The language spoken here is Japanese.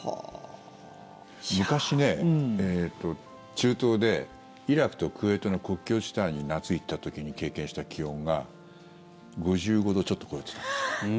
昔、中東でイラクとクウェートの国境地帯に夏に行った時に経験した気温が５５度ちょっと超えてた。